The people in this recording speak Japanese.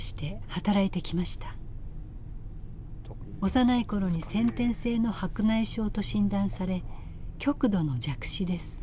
幼い頃に先天性の白内障と診断され極度の弱視です。